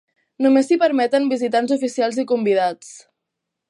Només s'hi permeten visitants oficials i convidats.